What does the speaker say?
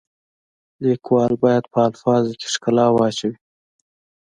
لیکوال باید په الفاظو کې ښکلا واچوي.